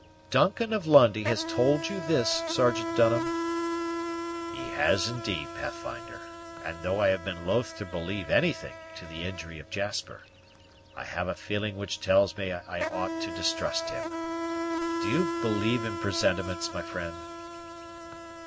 "Duncan of Lundie has told you this, Sergeant Dunham?" "He has indeed, Pathfinder; and, though I have been loath to believe anything to the injury of Jasper, I have a feeling which tells me I ought to distrust him. Do you believe in presentiments, my friend?